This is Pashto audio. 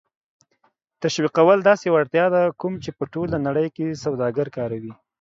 تشویقول داسې وړتیا ده کوم چې په ټوله نړۍ کې سوداگر کاروي